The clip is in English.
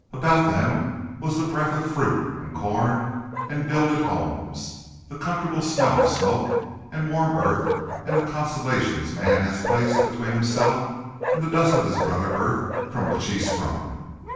About them was the breath of fruit and corn and builded homes, the comfortable smell of smoke and warm earth and the consolations man has placed between himself and the dust of his brother earth from which he sprung.